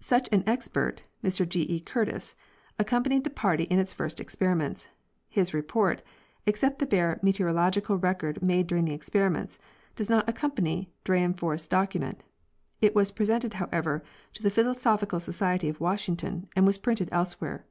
Such an expert (Mr G. E. Curtis) accompanied the party in its first experiments. His report (ex cept the bare meteorologic record made during the experiments) does not accompany Dyrenforth's document. It was presented, however, to the Philosophical Society of Washington, and was printed elsewhere.